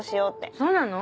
そうなの？